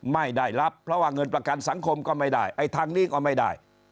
ไม่ได้รับเพราะว่าเงินประกันสังคมก็ไม่ได้ไอ้ทางนี้ก็ไม่ได้